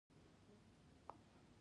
ډيپلوماسي د اړیکو د رغولو هنر دی.